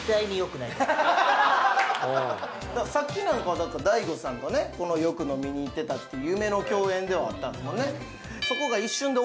さっきなんかは大悟さんとねよく飲みにいってたって夢の共演ではあったんだもんね